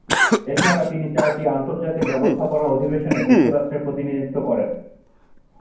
এছাড়া তিনি চারটি আন্তর্জাতিক ব্যবস্থাপনা অধিবেশনে যুক্তরাষ্ট্রের প্রতিনিধিত্ব করেন।